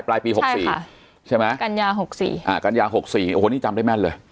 ปลายปี๖๔ใช่ไหมกัญญาหกสี่อ่ากัญญาหกสี่โอ้โหนี่จำได้แม่นเลย